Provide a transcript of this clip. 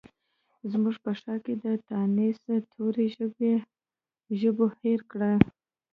زموږ په ښارکې د تانیث توري ژبو هیر کړي